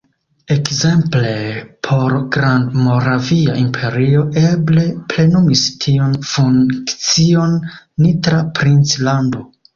Ekzemple por Grandmoravia imperio eble plenumis tiun funkcion Nitra princlando.